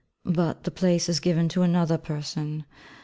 But the place is given to another person.